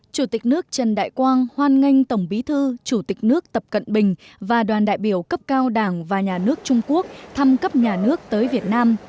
chủ tịch nước trần đại quang hoan nghênh tổng bí thư chủ tịch nước tập cận bình và đoàn đại biểu cấp cao đảng và nhà nước trung quốc thăm cấp nhà nước tới việt nam